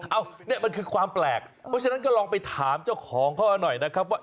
เนี่ยมันคือความแปลกเพราะฉะนั้นก็ลองไปถามเจ้าของเขาหน่อยนะครับว่า